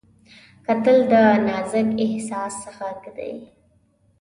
کتل د نازک احساس غږ دی